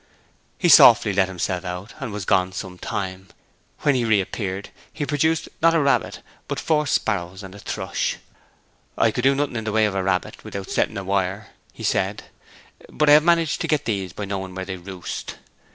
He softly let himself out, and was gone some time. When he reappeared, he produced, not a rabbit, but four sparrows and a thrush. 'I could do nothing in the way of a rabbit without setting a wire,' he said. 'But I have managed to get these by knowing where they roost.'